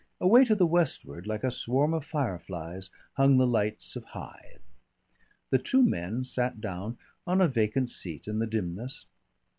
Away to the westward like a swarm of fire flies hung the lights of Hythe. The two men sat down on a vacant seat in the dimness.